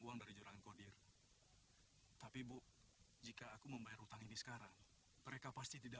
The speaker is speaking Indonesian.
uang dari jurangan kodir tapi bu jika aku membayar hutang ini sekarang mereka pasti tidak